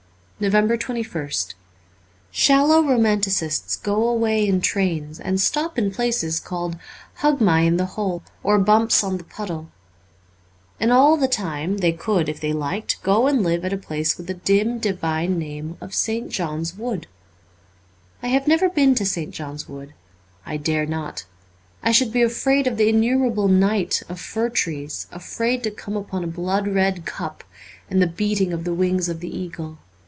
360 NOVEMBER 21st SHALLOW romanticists go away in trains and stop in places called Hugmy in the Hole, or Bumps on the Puddle. And all the time they could, if they liked, go and live at a place with the dim, divine name of St. John's Wood. I have never been to St. John's Wood. I dare not. I should be afraid of the innumerable night of fir trees, afraid to come upon a blood red cup and the beating of the wings of the eagle.